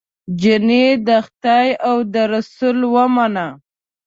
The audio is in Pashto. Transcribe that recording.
جینۍ د خدای او د رسول ومنه